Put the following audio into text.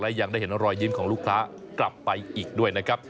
และยังได้เห็นรอยยิ้มของลูกค้ากลับไปอีกด้วยนะครับ